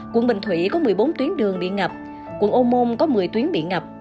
quận bình thủy có một mươi bốn tuyến đường bị ngập quận ô môn có một mươi tuyến bị ngập